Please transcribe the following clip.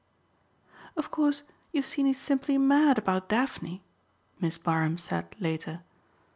"Of course you've seen he's simply mad about Daphne?" Miss Barham said later.